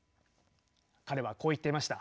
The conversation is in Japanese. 彼はこう言っていました。